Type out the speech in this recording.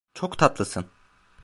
Çok tatlısın.